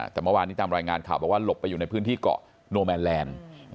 แต่เมื่อวานนี้ตามรายงานข่าวบอกว่าหลบไปอยู่ในพื้นที่เกาะโนแมนแลนด์